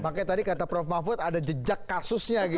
makanya tadi kata prof mahfud ada jejak kasusnya gitu